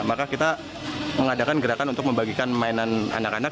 maka kita mengadakan gerakan untuk membagikan mainan anak anak